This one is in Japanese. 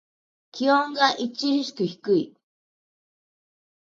気温が著しく低い。